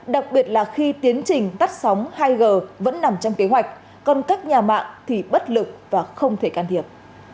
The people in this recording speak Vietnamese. đặc biệt là khi tiến trình tắt sóng hai g vẫn nằm trong kế hoạch còn các nhà mạng thì bất lực và không thể can thiệp